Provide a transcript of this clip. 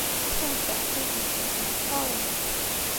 Ḥkan-d taḥkayt-nsen s yimeṭṭawen.